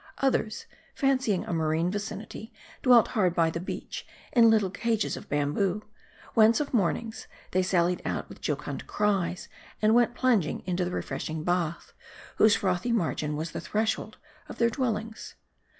Others, fancying a marine vicinity, dwelt hard by the beach in little cages of bamboo ; whence of mornings they sallied out with jocund cries, and went plunging into the refreshing bath, whose frothy margin was the threshold of their dwellings.